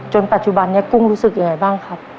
ปัจจุบันนี้กุ้งรู้สึกยังไงบ้างครับ